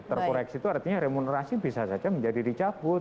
terkoreksi itu artinya remunerasi bisa saja menjadi dicabut